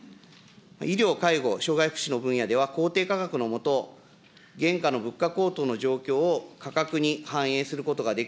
医療、介護、障害福祉の分野では、公定価格のもと、現下の物価高騰の状況を価格に反映することがで